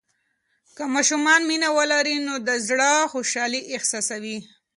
که ماشومان مینه ولري، نو د زړه خوشالي احساسوي.